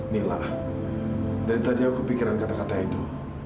nih lah dari tadi aku pikiran kata kata itu